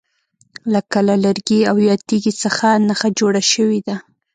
لکه له لرګي او یا تیږي څخه نښه جوړه شوې ده.